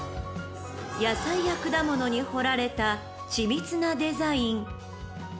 ［野菜や果物に彫られた緻密なデザイン］